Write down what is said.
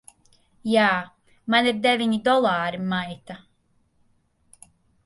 Jā. Man ir deviņi dolāri, maita!